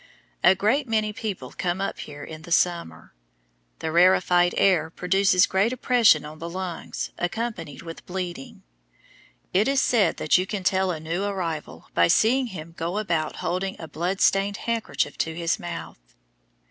A great many people come up here in the summer. The rarefied air produces great oppression on the lungs, accompanied with bleeding. It is said that you can tell a new arrival by seeing him go about holding a blood stained handkerchief to his mouth.